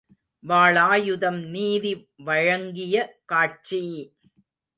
வாளாயுதம் நீதி வழங்கிய காட்சி!